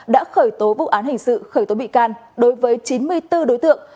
đã khởi tố vụ án hình sự khởi tố bị can đối với chín mươi bốn đối tượng